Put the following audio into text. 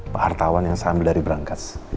pak hartawan yang sambil dari berangkat